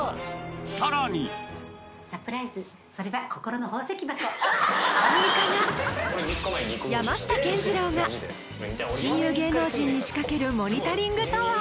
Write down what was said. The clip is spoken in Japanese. さらにアンミカが山下健二郎が親友芸能人に仕掛けるモニタリングとは！？